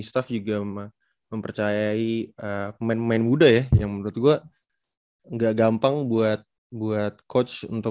semper cedra gitu kan